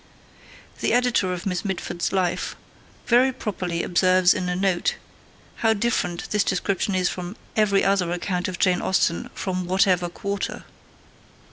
The editor of Miss Mitford's Life very properly observes in a note how different this description is from 'every other account of Jane Austen from whatever quarter.'